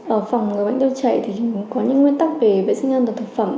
ở phòng người bệnh tiêu chảy thì cũng có những nguyên tắc về vệ sinh ăn đồ thực phẩm